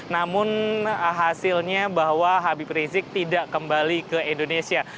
namun hasilnya bahwa habib rizik tidak kembali ke indonesia